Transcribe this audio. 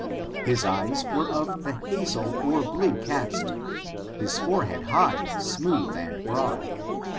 His eyes were of the hazel or blue cast ; his forehead high, smooth, and broad.